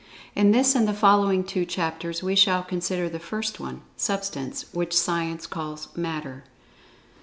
In this and the following two chapters we shall consider the first one, Substance, which Science calls "Matter."